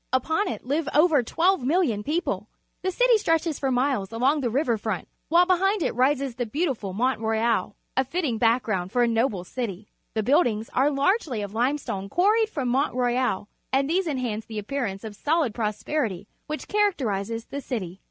L'pon it live over 1,2(X),000 people. The cit y stre tches for miles along the river front, while behind it rises the beautiful Mount Royal — a fitting BacTcground for a noble city. The buildings are largely' of limestone (juarried from Mount Royal, and these enhance the appearance of sohd prosperity which characterizes the city.